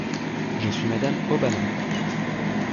Je suis madame Obama.